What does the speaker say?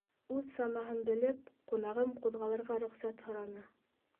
Үҙ самаһын белеп, ҡунағым ҡуҙғалырға рөхсәт һораны.